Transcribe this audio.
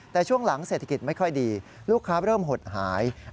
แต่ช่วงหลังเศรษฐกิจไม่ค่อยดีลูกค้าเริ่มหดหาย